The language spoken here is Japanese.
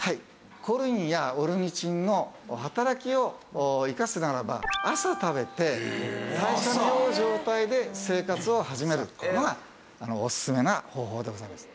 コリンやオルニチンの働きを生かすならば朝食べて代謝の良い状態で生活を始めるっていうのはオススメな方法でございます。